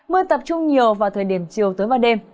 mưa tập trung nhiều vào thời điểm chiều tới vào đêm